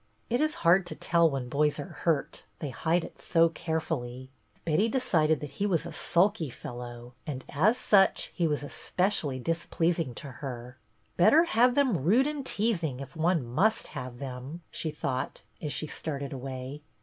It is hard to tell when boys are hurt, they hide it so carefully. Betty decided that he was a sulky fellow, and as such he was espe cially displeasing to her. " Better have them rude and teasing, if one must have them," she thought, as she started away.